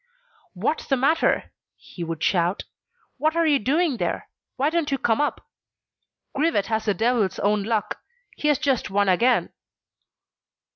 "What's the matter?" he would shout. "What are you doing there? Why don't you come up? Grivet has the devil's own luck. He has just won again."